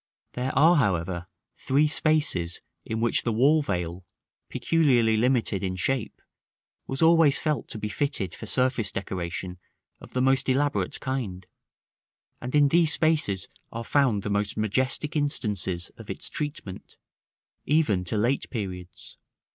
There are, however, three spaces in which the wall veil, peculiarly limited in shape, was always felt to be fitted for surface decoration of the most elaborate kind; and in these spaces are found the most majestic instances of its treatment, even to late periods.